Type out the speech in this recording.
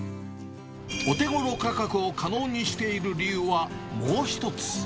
お手ごろ価格を可能にしている理由はもう１つ。